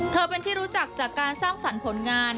เป็นที่รู้จักจากการสร้างสรรค์ผลงาน